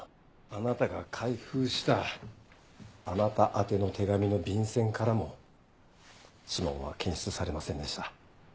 あなたが開封したあなた宛の手紙の便箋からも指紋は検出されませんでした。